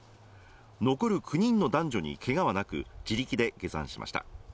残る９人の男女にけがはなく自力で下山しました。